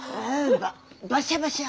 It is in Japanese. バシャバシャ！